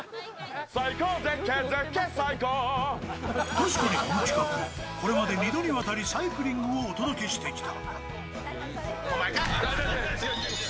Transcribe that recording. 確かに、この企画これまで２度にわたりサイクリングをお届けしてきた。